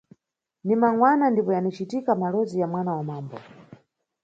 Ni mangwana ndipo yanicitika mawolozi ya mwana wa mambo.